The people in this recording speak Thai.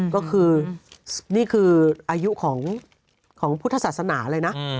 ก็คือนี่คืออายุของพุทธศาสนาเลยนะ